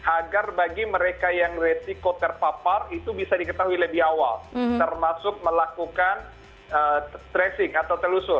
agar bagi mereka yang resiko terpapar itu bisa diketahui lebih awal termasuk melakukan tracing atau telusur